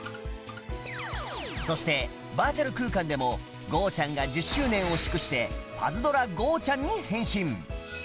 そしてバーチャル空間でもゴーちゃん。が１０周年を祝してパズドラゴーちゃん。に変身！